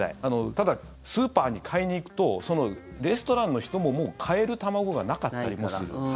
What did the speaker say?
ただ、スーパーに買いに行くとレストランの人ももう買える卵がなかったりもする。